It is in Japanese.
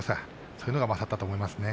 そういうところが勝ったと思います。